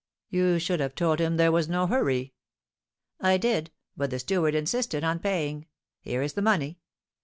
"You should have told him there was no hurry." "I did, but the steward insisted on paying. Here is the money.